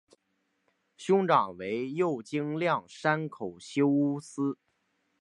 兄长为右京亮山口修弘。